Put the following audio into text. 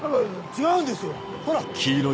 違うんですよほら！